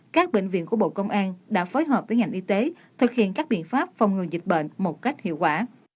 các bệnh viện của bộ công an đã phối hợp với ngành y tế thực hiện các biện pháp phòng ngừa dịch bệnh một cách hiệu quả